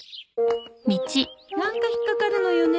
なんか引っかかるのよね